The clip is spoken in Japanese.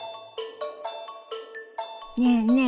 ねえねえ